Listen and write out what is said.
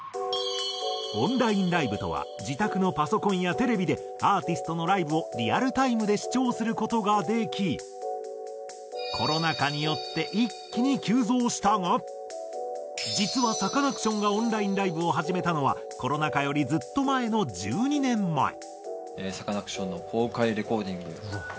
オンラインライブとは自宅のパソコンやテレビでアーティストのライブをリアルタイムで視聴する事ができコロナ禍によって一気に急増したが実はサカナクションがオンラインライブを始めたのはコロナ禍よりずっと前の１２年前。